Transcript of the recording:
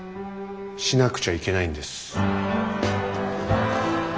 しなくちゃいけないんです。